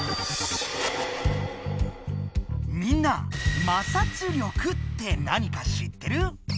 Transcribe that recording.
みんな「摩擦力」って何か知ってる？